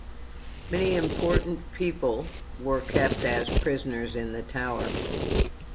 Many important people were kept as prisoners in the Tower.